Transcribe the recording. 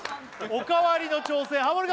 おかわりの挑戦ハモリ